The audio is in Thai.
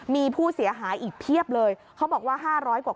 มีผู้เสียหายอีกเพียบเลยเขาบอกว่า๕๐๐กว่า